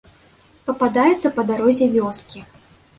Пападаюцца па дарозе вёскі.